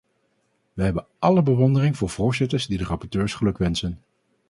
Wij hebben allen bewondering voor voorzitters die de rapporteurs gelukwensen.